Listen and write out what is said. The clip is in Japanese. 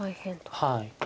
はい。